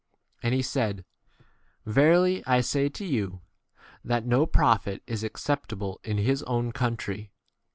And he said, Verily I say to you, that no prophet is acceptable in his [own] country.